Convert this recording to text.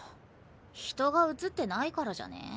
人が写ってないからじゃね？